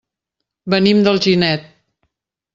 Venim d'Alginet.